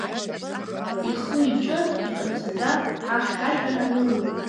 Ихы-иҿы иҿацаӡа ахьшәашәара аныруеит.